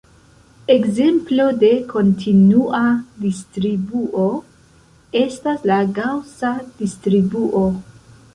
Ekzemplo de kontinua distribuo estas la Gaŭsa distribuo.